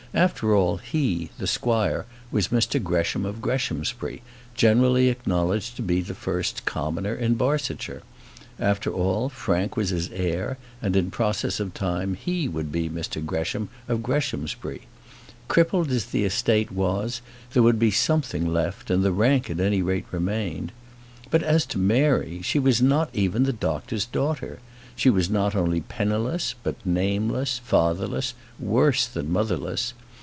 After all, he, the squire, was Mr Gresham of Greshamsbury, generally acknowledged to be the first commoner in Barsetshire; after all, Frank was his heir, and, in process of time, he would be Mr Gresham of Greshamsbury. Crippled as the estate was, there would be something left, and the rank at any rate remained. But as to Mary, she was not even the doctor's daughter. She was not only penniless, but nameless, fatherless, worse than motherless!